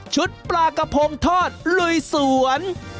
ปลากระพงทอดลุยสวน